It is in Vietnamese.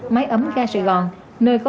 máy ấm ga sài gòn nơi có